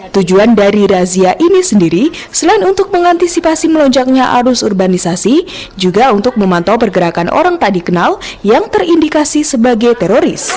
tujuan dari razia ini sendiri selain untuk mengantisipasi melonjaknya arus urbanisasi juga untuk memantau pergerakan orang tak dikenal yang terindikasi sebagai teroris